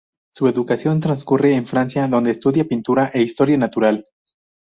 Su educación transcurre en Francia donde estudia pintura e historia natural.